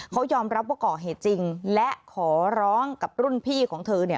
เขายอมรับว่าก่อเหตุจริงและขอร้องกับรุ่นพี่ของเธอเนี่ย